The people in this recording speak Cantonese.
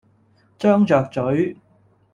張着嘴，